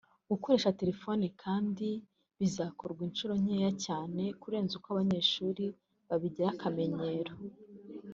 Gukoresha telefone kandi bizakorwa inshuro nke cyane kurenza uko abanyeshuri babigira akamenyero